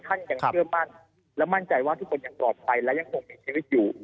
ท่านยังเชื่อมั่นและมั่นใจว่าทุกคนยังปลอดภัยและยังคงมีชีวิตอยู่